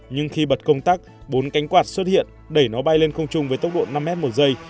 nhưng khi bật công tác bốn cánh quạt xuất hiện đẩy nó bay lên không chung với tốc độ năm m một giây